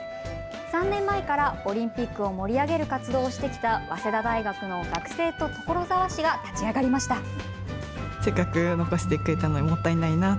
３年前からオリンピックを盛り上げる活動をしてきた早稲田大学の学生と所沢市が立ち上がりました。